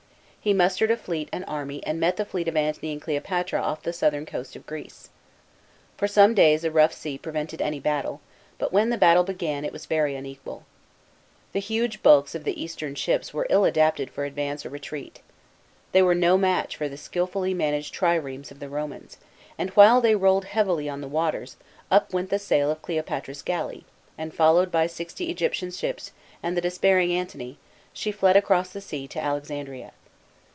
He mustered a fleet and army and met the fleet of Antony and Cleopatra off the southern coast of Greece. For some days a rough sea prevented any battle, but when the battle began, it was very unequal. The huge bulks of the Eastern ships were ill adapted for advance or retreat. They were no match for the skilfully managed triremes of the Romans, and while they rolled heavily on the waters, up went the sail of Cleopatra's galley, and, followed by sixty Egyptian ships and the despairing Antony, she fled across the sea to Alexandria.